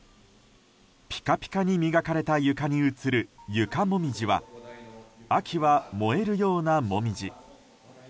ピカピカに磨かれた床に映る床もみじは秋は、燃えるようなモミジ。